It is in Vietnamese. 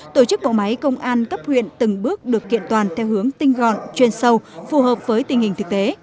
tổ chức bộ máy công an cấp huyện từng bước được kiện toàn theo hướng tinh gọn chuyên sâu phù hợp với tình hình thực tế